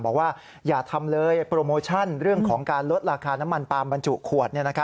บอกว่าอย่าทำเลยโปรโมชั่นเรื่องของการลดราคาน้ำมันปาล์มบรรจุขวด